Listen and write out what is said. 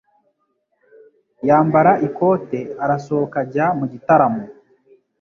Yambara ikote arasohoka ajya mu gitaramo.